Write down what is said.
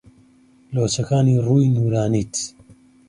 لۆچەکانی ڕووی نوورانیت